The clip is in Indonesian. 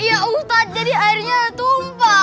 iya ustaz jadi akhirnya tumpah